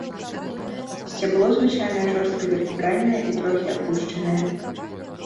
Сцябло звычайна жорстка вертыкальнае і трохі апушанае.